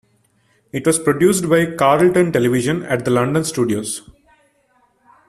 It was produced by Carlton Television, at The London Studios.